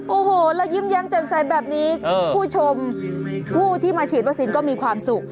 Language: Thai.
โอ้โหแล้วยิ้มแย้มแจ่มใสแบบนี้ผู้ชมผู้ที่มาฉีดวัคซีนก็มีความสุข